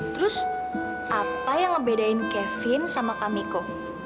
terus apa yang ngebedain kevin sama kamiko